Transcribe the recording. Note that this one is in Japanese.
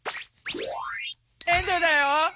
エンドゥだよ！